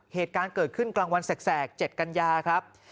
เหตุการณ์เกิดขึ้นกลางวันแสก๗กันยาครับ